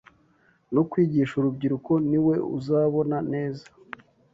no kwigisha urubyiruko ni we uzabona neza